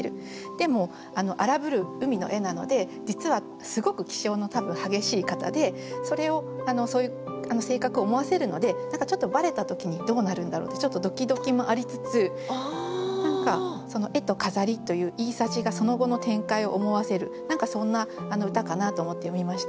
でも「荒ぶる海の絵」なので実はすごく気性の多分激しい方でそれをそういう性格を思わせるので何かちょっとバレた時にどうなるんだろうってちょっとドキドキもありつつ何かその「絵と飾り」という言いさしがその後の展開を思わせる何かそんな歌かなと思って読みました。